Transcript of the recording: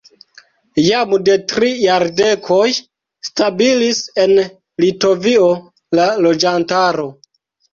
Jam de tri jardekoj stabilis en Litovio la loĝantaro.